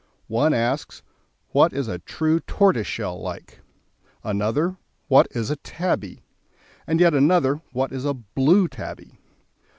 One asks: "What is a true tortoiseshell like?" Another: "What is a tabby?" and yet another: "What is a blue tabby?"